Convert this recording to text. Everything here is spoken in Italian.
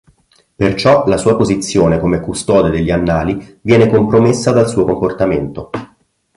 Perciò la sua posizione come Custode degli Annali viene compromessa dal suo comportamento.